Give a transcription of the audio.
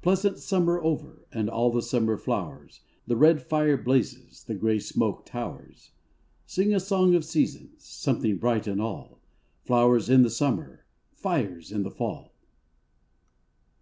Pleasant summer over And all the summer flowers; The red fire blazes, The gray smoke towers. Sing a song of seasons! Something bright in all! Flowers in the summer! Fires in the fall!